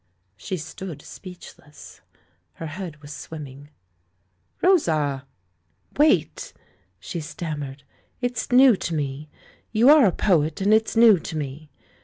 She stood speechless. Her head was swim ming. "Rosa!" "Wait!" she stammered; "it's new to me. You are a poet, and it's new to me.